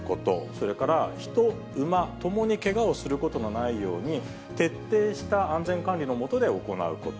それから人、馬共にけがをすることのないように、徹底した安全管理の下で行うこと。